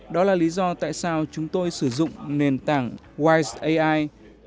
đó là lý do tại sao chúng tôi sử dụng nền tảng wise ai